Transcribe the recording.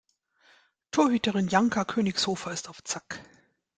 Torhüterin Janka Königshofer ist auf Zack.